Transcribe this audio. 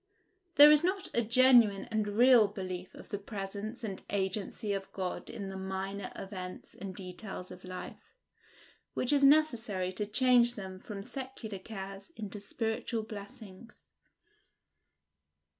There is not a genuine and real belief of the presence and agency of God in the minor events and details of life, which is necessary to change them from secular cares into spiritual blessings.